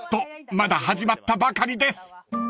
まだ始まったばかりです］